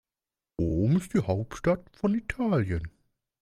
Rom ist die Hauptstadt von Italien.